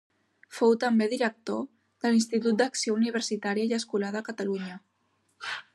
Fou també director de l'Institut d'Acció Universitària i Escolar de Catalunya.